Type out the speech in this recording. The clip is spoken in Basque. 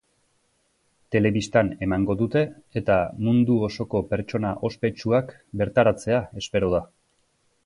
Telebistan emango dute eta mundu osoko pertsona ospetsuak bertaratzea espero da.